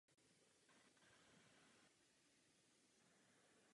Památník sestává ze dvou samostatných místností.